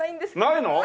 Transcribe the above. ないの！？